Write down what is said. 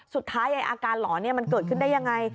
สุดท้ายอาการหลอนมันเกิดขึ้นได้ยังไง